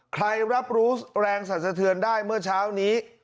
ใครรับรู้แรงสรรเสริญได้เมื่อเช้านี้